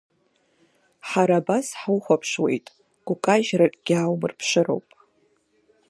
Ҳара абас ҳухәаԥшуеит, гәкажьракгьы ааумырԥшыроуп…